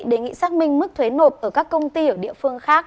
đề nghị xác minh mức thuế nộp ở các công ty ở địa phương khác